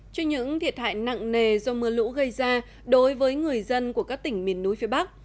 cho những thiệt hại nặng nề do mưa lũ gây ra đối với người dân của các tỉnh miền núi phía bắc